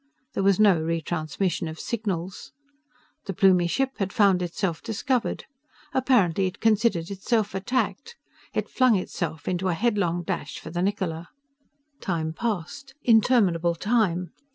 There was no re transmission of signals. The Plumie ship had found itself discovered. Apparently it considered itself attacked. It flung itself into a headlong dash for the Niccola. Time passed interminable time.